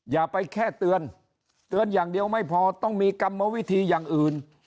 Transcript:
อย่าไปแค่เตือนเตือนอย่างเดียวไม่พอต้องมีกรรมวิธีอย่างอื่น